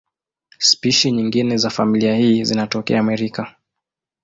Spishi nyingine za familia hii zinatokea Amerika.